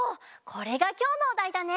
これがきょうのおだいだね？